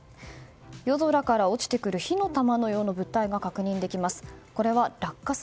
夜空から落ちてくる火の玉のような物体が確認できます。